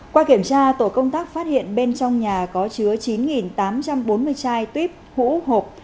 qua kiểm tra tổ công tác phát hiện bên trong nhà có chứa chín tám trăm bốn mươi chai tuyếp hỗ hộp